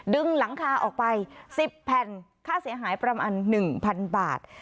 ดึงหลังคาออกไป๑๐แผ่นค่าเสียหายประมาณ๑๐๐๐บาท